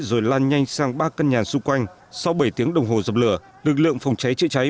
rồi lan nhanh sang ba căn nhà xung quanh sau bảy tiếng đồng hồ dập lửa lực lượng phòng cháy chữa cháy